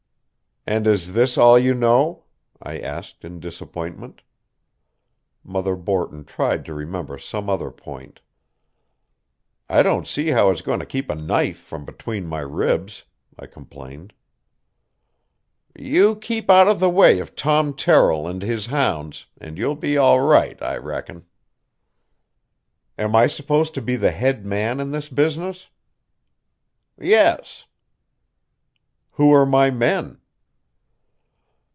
"And is this all you know?" I asked in disappointment. Mother Borton tried to remember some other point. "I don't see how it's going to keep a knife from between my ribs," I complained. "You keep out of the way of Tom Terrill and his hounds, and you'll be all right, I reckon." "Am I supposed to be the head man in this business?" "Yes." "Who are my men?"